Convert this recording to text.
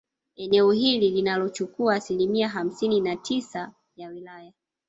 Eneo hili linalochukua asilimia hamsini na tisa ya wilaya